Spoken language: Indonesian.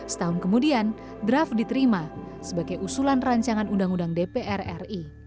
setahun kemudian draft diterima sebagai usulan rancangan undang undang dpr ri